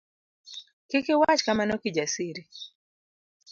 kik iwach kamano Kijasiri.